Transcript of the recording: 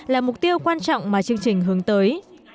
là mục tiêu quan trọng mà chương trình hướng tới